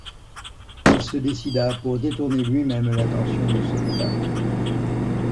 Il se décida pour détourner lui-même l'attention du soldat.